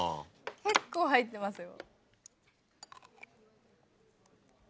結構入ってますよ。